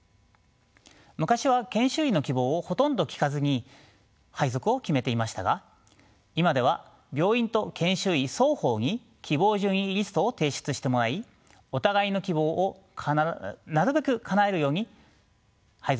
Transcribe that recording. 昔は研修医の希望をほとんど聞かずに配属を決めていましたが今では病院と研修医双方に希望順位リストを提出してもらいお互いの希望をなるべくかなえるように配属先を決定しているのです。